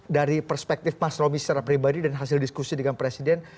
dari perspektif mas romy secara pribadi dan hasil diskusi dengan presiden